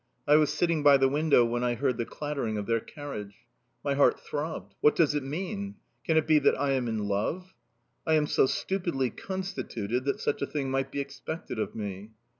I was sitting by the window when I heard the clattering of their carriage. My heart throbbed... What does it mean? Can it be that I am in love?... I am so stupidly constituted that such a thing might be expected of me.